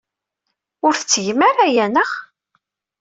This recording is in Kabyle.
Ur tettgem ara aya, naɣ?